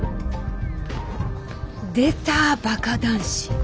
出たバカ男子。